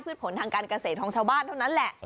ผลทางการเกษตรของชาวบ้านเท่านั้นแหละ